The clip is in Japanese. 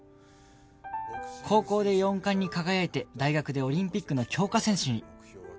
高校で４冠に輝いて大学でオリンピックの強化選手に！